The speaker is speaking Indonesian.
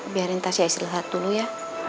biarin tasya istirahat dulu ya